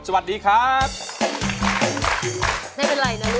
สวัสดีครับ